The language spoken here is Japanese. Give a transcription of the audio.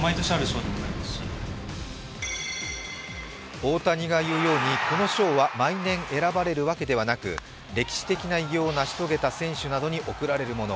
大谷が言うようにこの賞は毎年選ばれるわけではなく歴史的な偉業を成し遂げた選手などに贈られるもの。